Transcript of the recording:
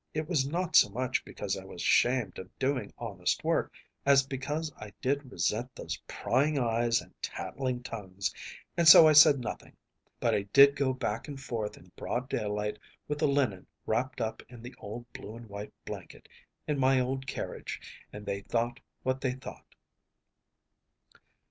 It was not so much because I was ashamed of doing honest work as because I did resent those prying eyes and tattling tongues, and so I said nothing, but I did go back and forth in broad daylight with the linen wrapped up in the old blue and white blanket, in my old carriage, and they thought what they thought.